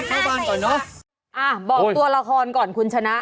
อ่ะบอกตัวละครก่อนคุณชนะ